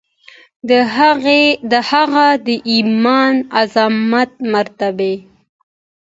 د هغه د ایمان، عظمت، مرتبې